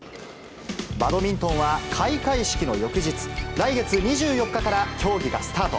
バドミントンは開会式の翌日、来月２４日から競技がスタート。